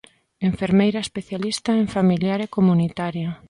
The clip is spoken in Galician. Enfermeira especialista en familiar e comunitaria.